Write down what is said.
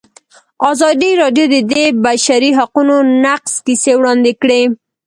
ازادي راډیو د د بشري حقونو نقض کیسې وړاندې کړي.